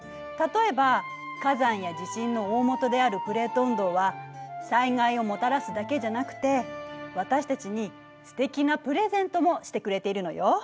例えば火山や地震の大本であるプレート運動は災害をもたらすだけじゃなくて私たちにすてきなプレゼントもしてくれているのよ。